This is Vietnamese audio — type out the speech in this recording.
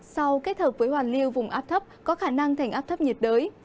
sau kết hợp với hoàn lưu vùng áp thấp có khả năng thành áp thấp nhiệt đới